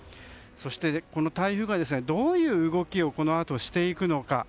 そして、台風がどういう動きをこのあとしていくのか。